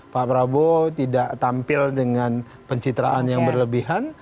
pak prabowo tidak tampil dengan pencitraan yang berlebihan